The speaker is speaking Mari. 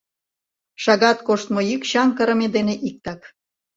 Шагат коштмо йӱк чаҥ кырыме дене иктак.